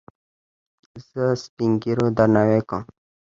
زه سپينږيرو درناوی کوم.